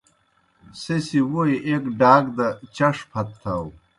سہ سیْ ووئی ایْک ڈاک دہ چݜ پھت تھاؤ۔